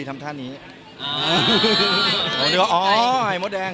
ไม่รู้ไม่เห็น